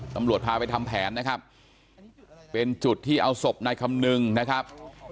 ตำรวจพาไปทำแผนนะครับเป็นจุดที่เอาศพนายคำนึงนะครับ